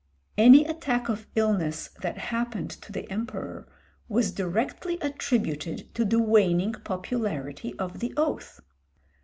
Any attack of illness that happened to the emperor was directly attributed to the waning popularity of the oath.